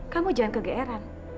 kamu jangan kegeeran